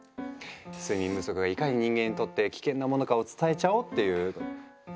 睡眠不足がいかに人間にとって危険なものかを伝えちゃおうっていう。